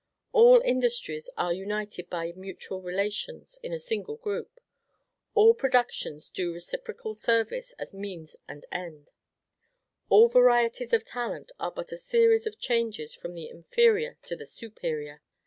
All industries are united by mutual relations in a single group; all productions do reciprocal service as means and end; all varieties of talent are but a series of changes from the inferior to the superior.